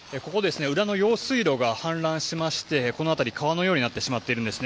裏の用水路が氾濫しまして川のようになってしまっています。